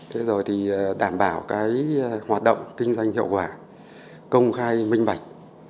thế rồi thì đảm bảo cái hoạt động kinh doanh hiệu quả công khai minh bạch